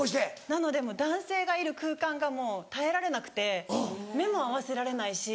なので男性がいる空間がもう耐えられなくて目も合わせられないし。